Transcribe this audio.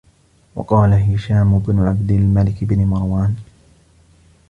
وَقَالَ هِشَامُ بْنُ عَبْدِ الْمَلِكِ بْنِ مَرْوَانَ